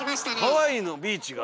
ハワイのビーチが？